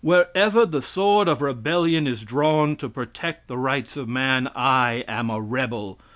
Wherever the sword of rebellion is drawn to protect the rights of man, I am a rebel.